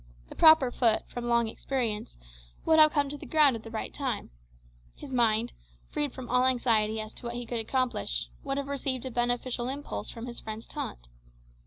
The proper foot, from long experience, would have come to the ground at the right time. His mind, freed from all anxiety as to what he could accomplish, would have received a beneficial impulse from his friend's taunt.